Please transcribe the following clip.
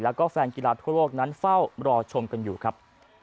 แล้วก็แฟนกีฬาทั่วโลกนั้นเฝ้ารอชมกันอยู่ครับ